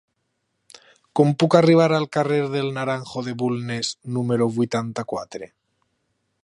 Com puc arribar al carrer del Naranjo de Bulnes número vuitanta-quatre?